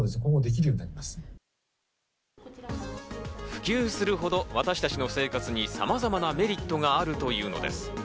普及するほど私たちの生活にさまざまなメリットがあるというのです。